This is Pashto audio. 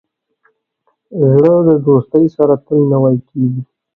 زړه د دوستۍ سره تل نوی کېږي.